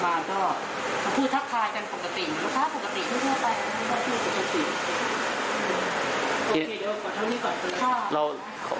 ไม่เวลาไปไม่ได้พูดปกติโอเคเดี๋ยวขอทั้งนี้ก่อนครับค่ะ